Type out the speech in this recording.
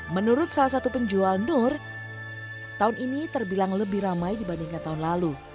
menurut salah satu penjual nur tahun ini terbilang lebih ramai dibandingkan tahun lalu